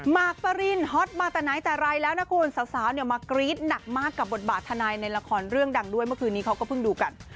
มากปรินฮอตมาแต่ไหนแต่ไรแล้วนะคุณสาวเนี่ยมากรี๊ดหนักมากกับบทบาททนายในละครเรื่องดังด้วยเมื่อคืนนี้เขาก็เพิ่งดูกัน